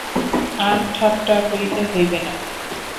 আর ঠাট্টা করিতে হইবে না।